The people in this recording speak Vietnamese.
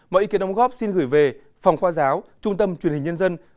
mọi ý kiến đóng góp xin gửi về phòng khoa giáo trung tâm truyền hình nhân dân